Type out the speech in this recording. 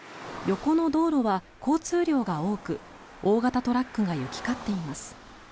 横の道路は交通量が多く大型トラックが行き交っています。